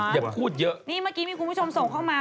อย่าพูดเยอะนี่เมื่อกี้มีคุณผู้ชมส่งเข้ามา